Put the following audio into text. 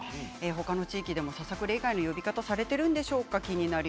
他の地域でもささくれ以外の呼び方されているんでしょうか。